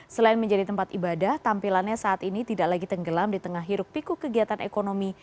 selain menjadi tempat ibadah tampilannya saat ini tidak lagi tenggelam di tengah hiruk pikuk kegiatan ekonomi